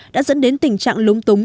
đã dẫn đến tình trạng lúng túng